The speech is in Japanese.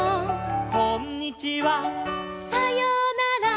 「こんにちは」「さようなら」